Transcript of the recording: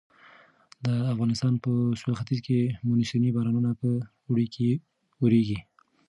د افغانستان په سویل ختیځ کې مونسوني بارانونه په اوړي کې ورېږي.